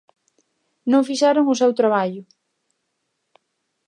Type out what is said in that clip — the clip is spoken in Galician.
Non fixeron o seu traballo.